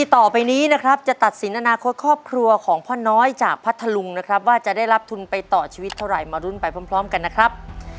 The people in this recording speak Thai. ต่อไปนี้นะครับจะตัดสินอนาคตครอบครัวของพ่อน้อยจากพัทธลุงนะครับว่าจะได้รับทุนไปต่อชีวิตเท่าไหร่มารุ้นไปพร้อมกันนะครับ